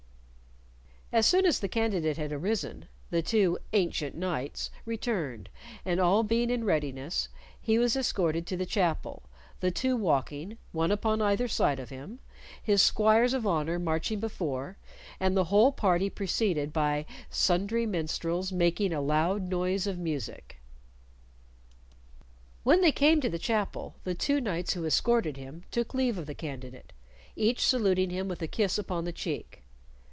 As soon as the candidate had arisen, the two "ancient knights" returned, and all being in readiness he was escorted to the chapel, the two walking, one upon either side of him, his squires of honor marching before, and the whole party preceded by "sundry minstrels making a loud noise of music." When they came to the chapel, the two knights who escorted him took leave of the candidate, each saluting him with a kiss upon the cheek.